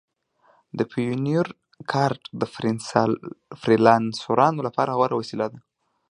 د پیونیر کارډ د فریلانسرانو لپاره غوره وسیله ده.